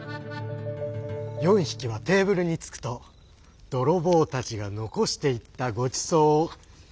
４匹はテーブルにつくと泥棒たちが残していったごちそうを。